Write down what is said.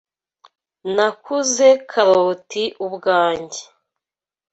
Nakuze karoti ubwanjye.